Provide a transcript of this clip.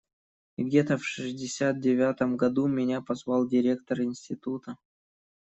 И где-то в шестьдесят девятом году меня позвал директор института.